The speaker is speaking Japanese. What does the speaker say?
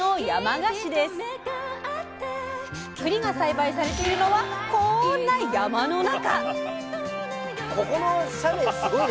くりが栽培されているのはこんな山の中。